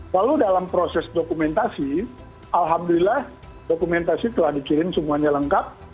lalu dalam proses dokumentasi alhamdulillah dokumentasi telah dikirim semuanya lengkap